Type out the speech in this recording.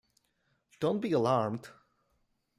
Don’t be alarmed!